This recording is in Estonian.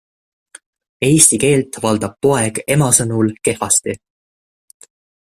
Eesti keelt valdab poeg ema sõnul kehvasti.